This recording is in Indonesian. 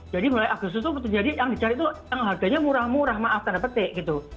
jadi mulai agustus itu yang dicari itu harganya murah murah maaf tanda petik gitu